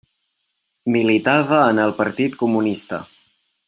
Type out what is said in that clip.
Militava en el Partit Comunista.